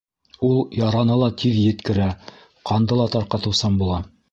Ул яраны ла тиҙ еткерә, ҡанды ла тарҡатыусан була.